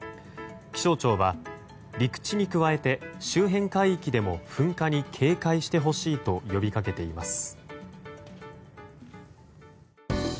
気象庁は陸地に加えて周辺海域でも噴火に警戒してほしいと呼びかけています。